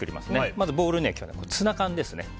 まずボウルにツナ缶ですね。